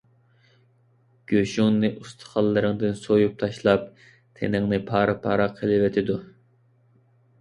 گۆشۈڭنى ئۇستىخانلىرىڭدىن سويۇپ تاشلاپ، تېنىڭنى پارە - پارە قىلىۋېتىدۇ.